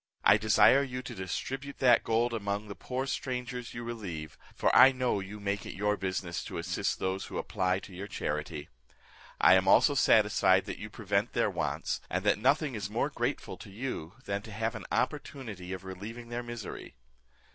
I desire you to distribute that gold among the poor strangers you relieve, for I know you make it your business to assist those who apply to your charity. I am also satisfied that you prevent their wants, and that nothing is more grateful to you, than to have an opportunity of relieving their misery."